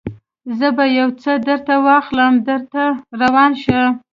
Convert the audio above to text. زه به یو څه درته راواخلم، ته در روان شه.